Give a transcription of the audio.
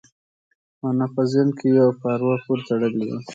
مانا په ذهن کې وي او په اروا پورې تړلې ده